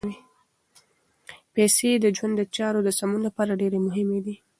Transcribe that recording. پیسې د ژوند د چارو د سمون لپاره ډېرې مهمې دي.